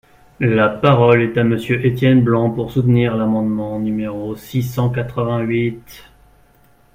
La parole est à Monsieur Étienne Blanc, pour soutenir l’amendement numéro six cent quatre-vingt-huit.